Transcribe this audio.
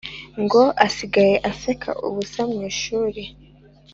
ngo asigaye aseka ubusa mu ishuri